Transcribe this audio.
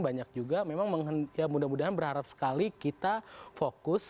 banyak juga memang ya mudah mudahan berharap sekali kita fokus